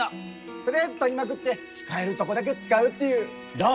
とりあえず撮りまくって使えるとこだけ使うっていうどう？